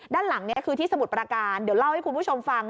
ด้านหลังนี้คือที่สมุทรประการเดี๋ยวเล่าให้คุณผู้ชมฟัง